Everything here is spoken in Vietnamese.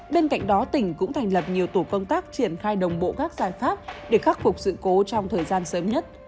bên cạnh đó tỉnh cũng thành lập nhiều tổ công tác triển khai đồng bộ các giải pháp để khắc phục sự cố trong thời gian sớm nhất